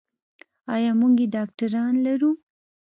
ایا موږ یې ډاکتران لرو.